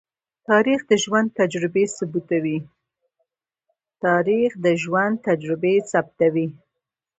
تاریخ د ژوند تجربې ثبتوي.